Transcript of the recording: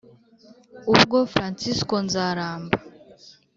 Ubwo Fransisko Nzaramba,